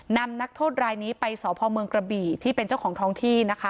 นักโทษรายนี้ไปสพเมืองกระบี่ที่เป็นเจ้าของท้องที่นะคะ